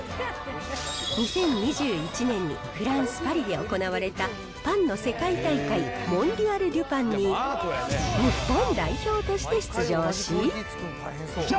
２０２１年にフランス・パリで行われたパンの世界大会モンディアル・デュ・パンに日本代表として出場し。